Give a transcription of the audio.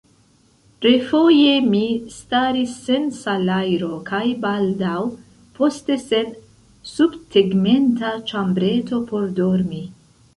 Refoje mi staris sen salajro, kaj baldaŭ poste sen subtegmenta ĉambreto por dormi.